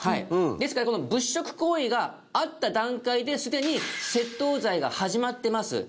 ですから物色行為があった段階ですでに窃盗罪が始まってます。